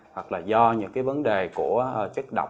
hoặc là do những cái vấn đề của chất độc